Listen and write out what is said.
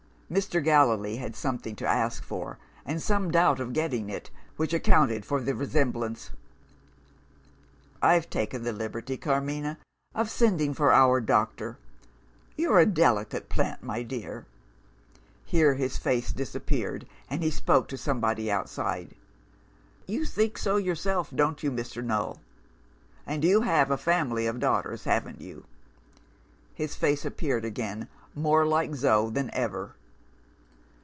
Mr. Gallilee had something to ask for, and some doubt of getting it, which accounted for the resemblance. 'I've taken the liberty, Carmina, of sending for our doctor. You're a delicate plant, my dear ' (Here, his face disappeared and he spoke to somebody outside) 'You think so yourself, don't you, Mr. Null? And you have a family of daughters, haven't you?' (His face appeared again; more like Zo than ever.)